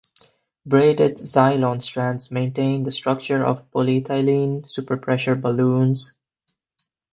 Braided Zylon strands maintain the structure of polyethylene superpressure balloons.